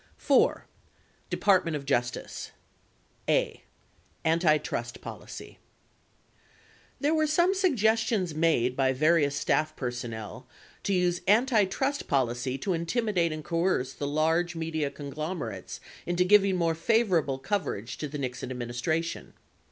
4. DEPARTMENT OF JUSTICE a. Antitrust Policy There were some suggestions made by various staff personnel to use antitrust policy to intimidate and coerce the large media conglom erates into giving more favorable coverage to the Nixon administra tion.